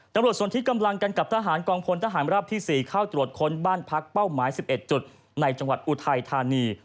ตำรวจส่วนที่กำลังกันกับทหารกองพลทหารราบที่๔เข้าตรวจค้นบ้านพักเป้าหมาย๑๑จุดในจังหวัดอุทัยธานี